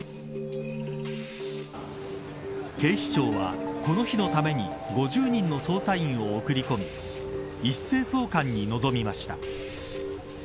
警視庁は、この日のために５０人の捜査員を送り込み一斉送還に臨みました。